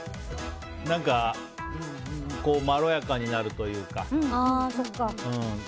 何か、まろやかになるというか。